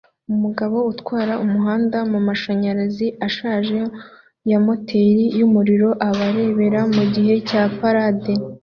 Umugabo utwara umuhanda mumashanyarazi ashaje ya moteri yumuriro abarebera mugihe cya parade